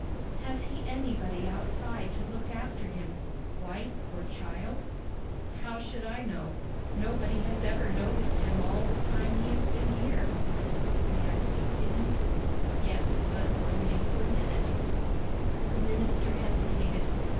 "Has he anybody outside to look after him wife or child?" "How should I know? Nobody has ever noticed him all the time he has been here." "May I speak to him?" "Yes, but only for a minute." The minister hesitated.